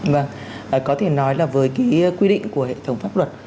vâng có thể nói là với cái quy định của hệ thống pháp luật